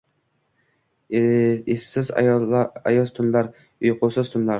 Esiz, ayoz tunlar, uyqusiz tunlar!..